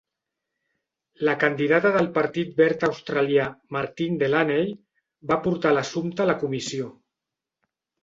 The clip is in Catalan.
La candidata del Partit Verd australià, Martine Delaney, va portar l"assumpte a la Comissió.